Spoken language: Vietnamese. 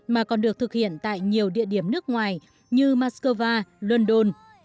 mà còn được thực hiện tại nhiều địa điểm nước ngoài như moscow london